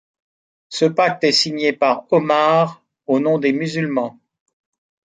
Ce pacte est signé par Omar au nom des Musulmans.